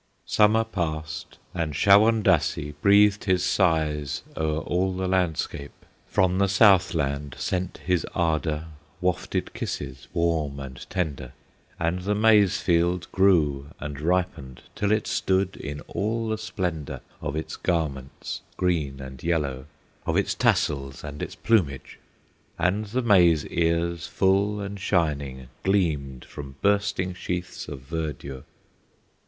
Summer passed, and Shawondasee Breathed his sighs o'er all the landscape, From the South land sent his ardor, Wafted kisses warm and tender; And the maize field grew and ripened, Till it stood in all the splendor Of its garments green and yellow, Of its tassels and its plumage, And the maize ears full and shining Gleamed from bursting sheaths of verdure.